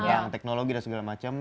tentang teknologi dan segala macam